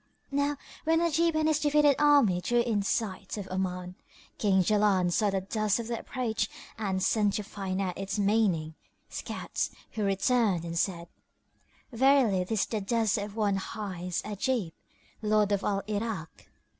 Now, when Ajib and his defeated army drew in sight of Oman, King Jaland saw the dust of their approach and sent to find out its meaning, scouts who returned and said, "Verily this is the dust of one hight Ajib, lord of Al Irak."